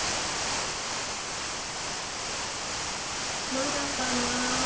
まだかなぁ。